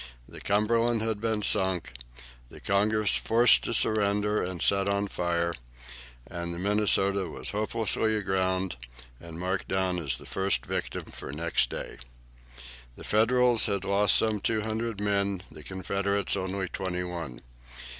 The "Cumberland" had been sunk, the "Congress" forced to surrender and set on fire, and the "Minnesota" was hopelessly aground and marked down as the first victim for next day. The Federals had lost some two hundred men. The Confederates only twenty one.